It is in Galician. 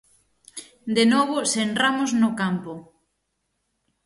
De novo sen Ramos no campo.